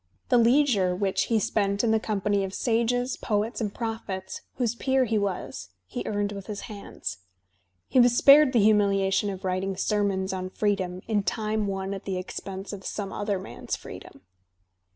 The leisure which he spent in the company of sages, poets, and prophets, whose peer he was, he eamed with his hands. He was spared the humiliation of writing sermons on freedom in time won at the expense of some other man's freedom.